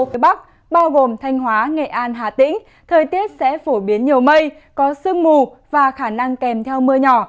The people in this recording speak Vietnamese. với bắc bao gồm thanh hóa nghệ an hà tĩnh thời tiết sẽ phổ biến nhiều mây có sương mù và khả năng kèm theo mưa nhỏ